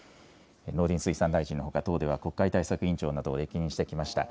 農林水産大臣のほか、党では国会対策委員長などを歴任してきました。